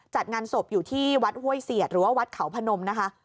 จัดงานศพอยู่ที่วัดห้วยเสียดหรือว่าวัดเขาพนมนะคะ